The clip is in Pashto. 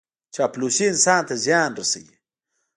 چاپلوسي انسان ته زیان رسوي.